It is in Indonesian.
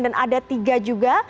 dan ada tiga juga